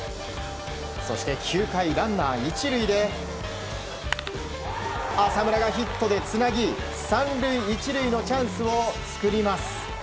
そして９回、ランナー１塁で浅村がヒットでつなぎ３塁１塁のチャンスを作ります。